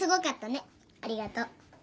ありがとう。